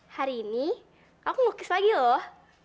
hari ini aku nge gukis lagi loh